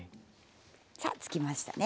さあつきましたね。